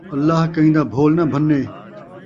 اللہ کہیں دا بھول نہ بھنے